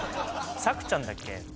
さくちゃんだっけ？